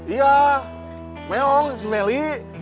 iya meong si meli